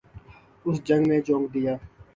اس جنگ میں جھونک دیا۔